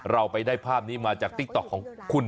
เราไปได้ภาพนี้มาจากติ๊กต๊อกของคุณ